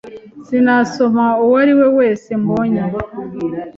sinasoma uwariwe wese mbonye